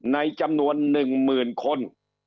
ในจำนวน๑๐๐๐คน